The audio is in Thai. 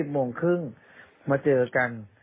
โมงครึ่งมาเจอกัน